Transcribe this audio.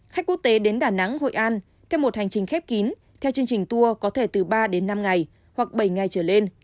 khách quốc tế đến đà nẵng hội an theo một hành trình khép kín theo chương trình tour có thể từ ba đến năm ngày hoặc bảy ngày trở lên